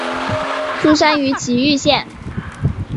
出身于崎玉县。